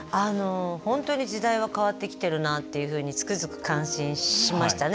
本当に時代は変わってきてるなというふうにつくづく感心しましたね